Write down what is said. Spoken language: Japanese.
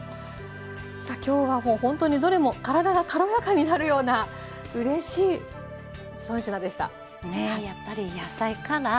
さあ今日はもうほんとにどれも体が軽やかになるようなうれしい３品でした。